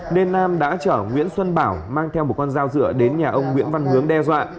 nên nam đã chở nguyễn xuân bảo mang theo một con dao dựa đến nhà ông nguyễn văn hướng đe dọa